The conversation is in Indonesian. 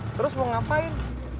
terus mau ngapain